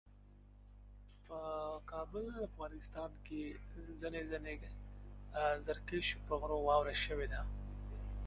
He began using the moniker "Monkey Joe" during that decade.